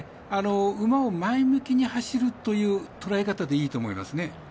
馬を前向きに走るという捉え方でいいと思いますね。